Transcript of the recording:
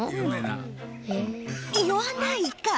言わないか。